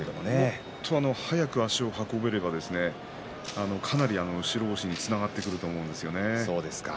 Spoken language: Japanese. もっと足を運ぶことができればかなり白星につながってくると思うんですよね。